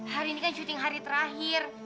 hari ini kan syuting hari terakhir